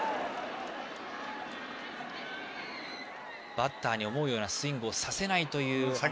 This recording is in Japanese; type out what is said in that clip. バッターに思うようなスイングをさせないという。